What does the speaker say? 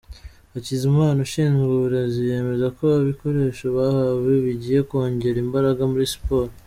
Hakizimana ushinzwe uburezi yemeza ko ibikoresho bahawe bigiye kongera imbaraga muri siporo.